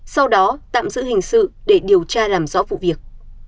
sau đó tạm giữ hình sự để điều tra làm rõ vụ việc